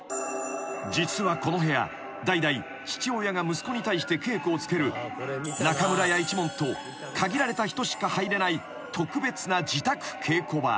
［実はこの部屋代々父親が息子に対して稽古をつける中村屋一門と限られた人しか入れない特別な自宅稽古場］